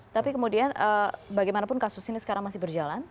tapi kemudian bagaimanapun kasus ini sekarang masih berjalan